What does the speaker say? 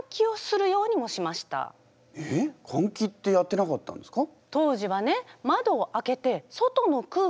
かん気ってやってなかったんですか？